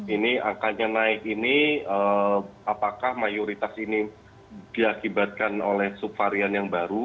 ini angkanya naik ini apakah mayoritas ini diakibatkan oleh subvarian yang baru